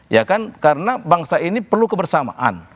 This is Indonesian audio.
ya kan karena bangsa ini perlu kebersamaan